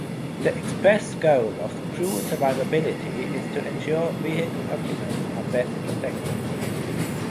The expressed goal of "crew survivability" is to ensure vehicle occupants are best protected.